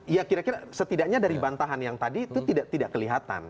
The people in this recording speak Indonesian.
ya kira kira setidaknya dari bantahan yang tadi itu tidak kelihatan